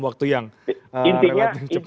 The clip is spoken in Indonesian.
waktu yang relatif cepat